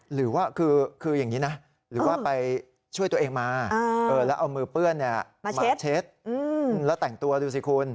หรือว่าคืออย่างนี้นะหรือว่าไปช่วยตัวเองมาแล้วเอามือเปื้อนมาเช็ดแล้วแต่งตัวดูสิคุณ